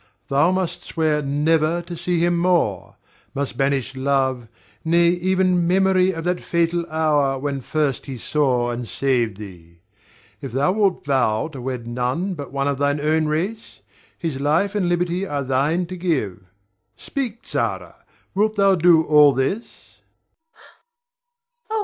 Thou must swear never to see him more; must banish love, nay, even memory of that fatal hour when first he saw and saved thee. If thou wilt vow to wed none but one of thine own race, his life and liberty are thine to give. Speak, Zara! Wilt thou do all this? Zara.